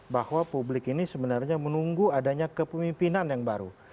bahwa publik ini sebenarnya menunggu adanya kepemimpinan yang baru